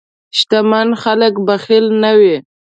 شتمن خلک بخیل نه وي.